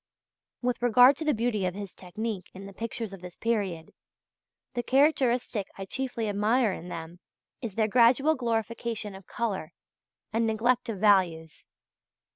With regard to the beauty of his technique in the pictures of this period, the characteristic I chiefly admire in them is their gradual glorification of colour, and neglect of values.